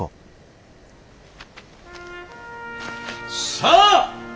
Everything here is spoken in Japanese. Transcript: さあ！